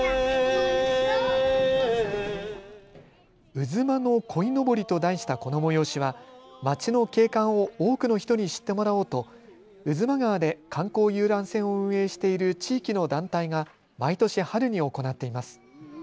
うずまのこいのぼりと題したこの催しは街の景観を多くの人に知ってもらおうと巴波川で観光遊覧船を運営している地域の団体が毎年春に行っています。